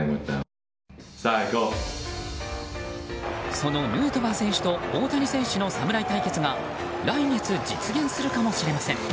そのヌートバー選手と大谷選手の侍対決が来月、実現するかもしれません。